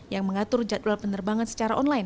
yang mengatur jadwal penerbangan secara online